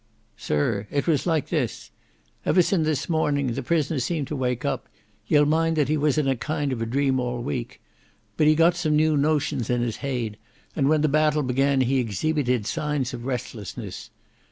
"Sirr, it was like this. Ever sin' this mornin', the prisoner seemed to wake up. Ye'll mind that he was in a kind of dream all week. But he got some new notion in his heid, and when the battle began he exheebited signs of restlessness.